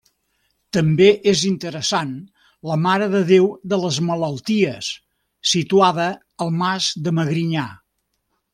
També és interessant la Mare de Déu de les Malalties, situada al Mas de Magrinyà.